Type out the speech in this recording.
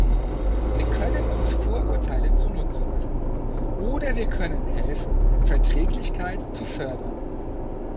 Wir können uns Vorurteile zunutze machen, oder wir können helfen, Verträglichkeit zu fördern.